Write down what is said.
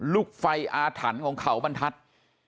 ลูกไฟอาถรรพ์ของเขาบรรทัศน์